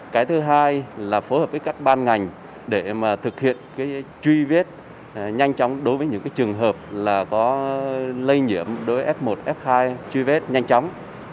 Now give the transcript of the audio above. cái thứ hai là phối hợp với các ban ngành để mà thực hiện truy vết nhanh chóng đối với những trường hợp là có lây nhiễm đối với f một f hai truy vết nhanh chóng